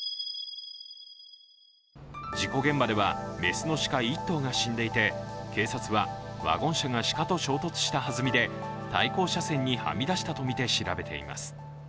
事故現場では雌の鹿１頭が死んでいて、警察はワゴン車が鹿と衝突した弾みで対向車線にはみ出したとみて調べています。